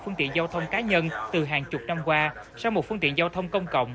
phương tiện giao thông cá nhân từ hàng chục năm qua sau một phương tiện giao thông công cộng